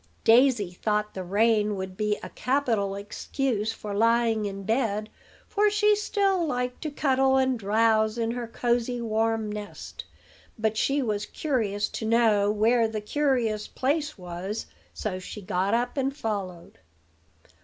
Daisy thought the rain would be a capital excuse for lying in bed; for she still liked to cuddle and drowse in her cosey, warm nest. But she was curious to know where the curious place was; so she got up and followed.